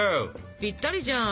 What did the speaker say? ぴったりじゃん。